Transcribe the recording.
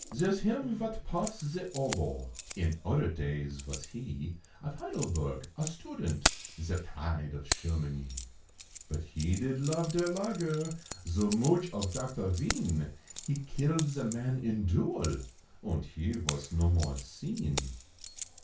Zare's him vot puffs ze oboe, In oder days vos he, Of Heidelberg, a student Ze pride of Shermanie, But he did love der Lager, Zoo mooch of Docter Vien, He killed ze man in duel! Und he vos no more seen.